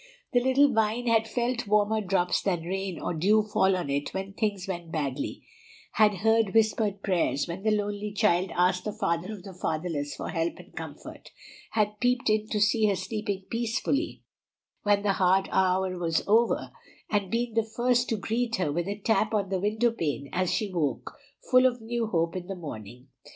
The little vine had felt warmer drops than rain or dew fall on it when things went badly, had heard whispered prayers when the lonely child asked the Father of the fatherless for help and comfort, had peeped in to see her sleeping peacefully when the hard hour was over, and been the first to greet her with a tap on the window pane as she woke full of new hope in the morning.